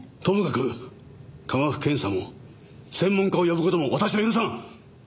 ともかく科学検査も専門家を呼ぶ事も私は許さん！